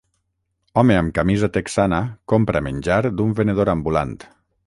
Home amb camisa texana compra menjar d'un venedor ambulant.